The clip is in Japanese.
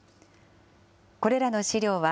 これらの史料は、